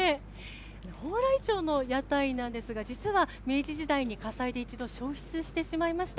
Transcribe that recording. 蓬莱町の屋台なんですが、実は明治時代に火災で一度焼失してしまいました。